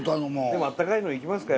でもあったかいのいきますか？